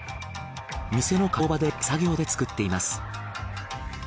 店の加工場で手作業で作っています。